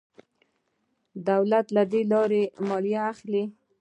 دولت له دې لارې مالیه اخلي.